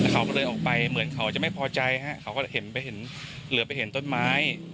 เขาก็เลยออกไปเหมือนเขาจะไม่พอใจฮะเขาก็เห็นไปเห็นเหลือไปเห็นต้นไม้